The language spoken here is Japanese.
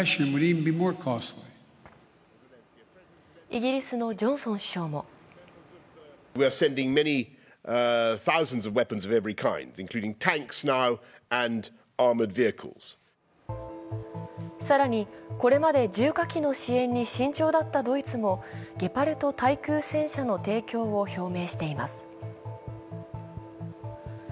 イギリスのジョンソン首相も更に、これまで重火器の支援に慎重だったドイツもゲパルト対空戦車の提供を表明しています。